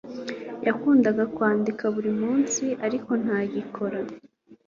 Yakundaga kwandika buri munsi, ariko ntagikora.